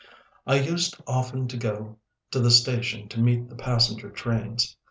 I used often to go to the station to meet the passenger trains.